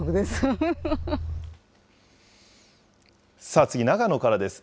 さあ、次、長野からです。